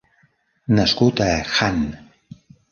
Nascut a Hann.